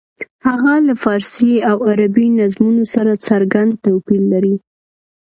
هغه له فارسي او عربي نظمونو سره څرګند توپیر لري.